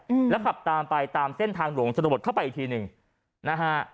อืมแล้วขับตามไปตามเส้นทางหลวงสะโดดเข้าไปอีกทีหนึ่งนะฮะ